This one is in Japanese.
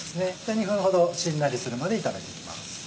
２分ほどしんなりするまで炒めていきます。